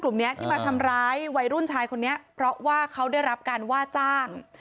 กลุ่มนี้ที่มาทำร้ายวัยรุ่นชายคนนี้เพราะว่าเขาได้รับการว่าจ้าง